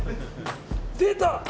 出た！